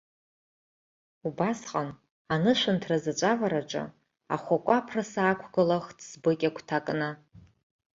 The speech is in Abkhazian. Убасҟан, анышәынҭра заҵә авараҿы, ахәы акәаԥра саақәгылахт сбыкь агәҭа кны.